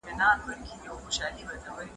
ښوونکي د انټرنیټ له لارې لارښوونه کوي.